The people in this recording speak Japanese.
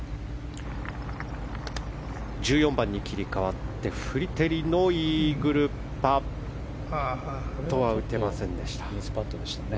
１４番に切り替わってフリテリのイーグルパットは打てませんでした。